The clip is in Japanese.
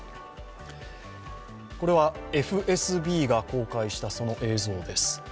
これはＦＳＢが公開したその映像です。